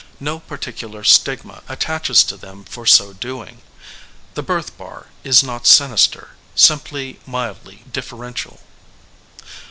No particular stigma attaches to them for so doing. The birth bar is not sinister, simply mildly differential.